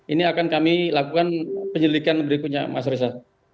ini akan kami lakukan penyelidikan berikutnya mas reza